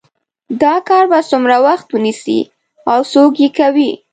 دا کار به څومره وخت ونیسي او څوک یې کوي